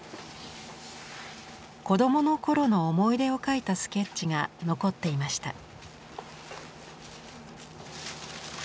子どもの頃の思い出を描いたスケッチが残っていました。